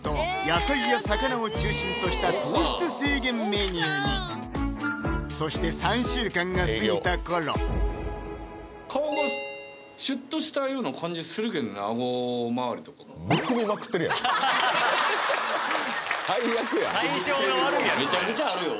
野菜や魚を中心とした糖質制限メニューにそして３週間が過ぎた頃顔がシュッとしたような感じするけどね顎周りとかがめちゃくちゃあるよ